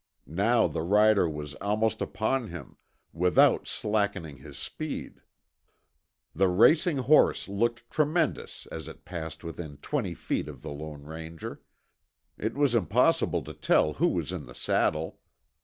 Now the rider was almost upon him, without slackening his speed. The racing horse looked tremendous as it passed within twenty feet of the Lone Ranger. It was impossible to tell who was in the saddle.